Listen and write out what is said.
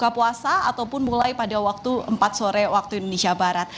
buka puasa ataupun mulai pada waktu empat sore waktu indonesia barat